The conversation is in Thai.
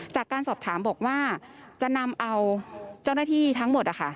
จากการสอบถามบอกว่าจะนำเอาเจ้าหน้าที่ทั้งหมด